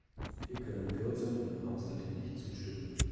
Wir können Kürzungen im Haushalt nicht zustimmen.